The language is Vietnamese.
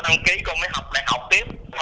rồi cổ đăng ký cổ mới học đại học tiếp